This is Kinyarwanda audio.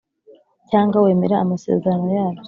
cyangwa wemera amasezerano yabyo